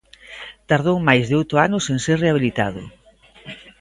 Tardou máis de oito anos en ser rehabilitado.